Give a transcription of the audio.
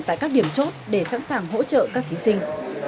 tại các điểm chốt để sẵn sàng hỗ trợ các thí sinh